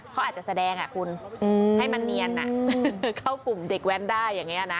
เขาอาจจะแสดงคุณให้มันเนียนเข้ากลุ่มเด็กแว้นได้อย่างนี้นะ